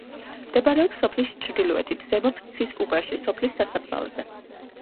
მდებარეობს სოფლის ჩრდილოეთით, ზემო ფცის უბანში, სოფლის სასაფლაოზე.